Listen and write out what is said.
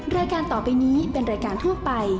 รายการต่อไปนี้เป็นรายการทั่วไป